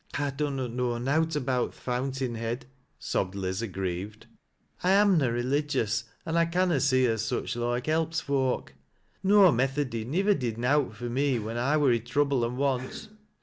" I dunnot know nowt about th' fountain head," sobbed Liz aggrieved. " I amna religious an' I canna see as such loike helps foak. No Methody nivver did nowt for me when I war i' trouble an' want.